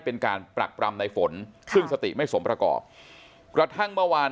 เป็นการปรักปรำในฝนซึ่งสติไม่สมประกอบกระทั่งเมื่อวาน